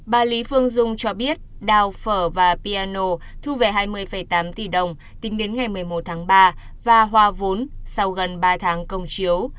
bà lý phương dung cho biết đào phở và piano thu về hai mươi tám tỷ đồng tính đến ngày một mươi một tháng ba và hòa vốn sau gần ba tháng công chiếu